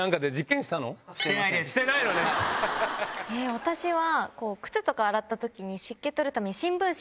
私は。